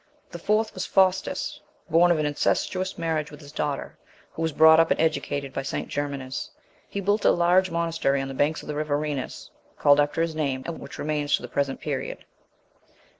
The fourth was Faustus, born of an incestuous marriage with his daughter, who was brought up and educated by St. Germanus. He built a large monastery on the banks of the river Renis, called after his name, and which remains to the present period.